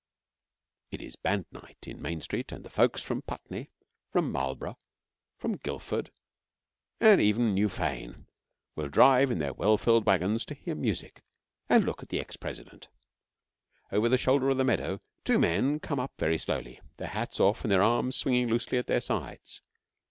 It is band night in Main Street, and the folks from Putney, from Marlboro', from Guildford, and even New Fane will drive in their well filled waggons to hear music and look at the Ex President. Over the shoulder of the meadow two men come up very slowly, their hats off and their arms swinging loosely at their sides.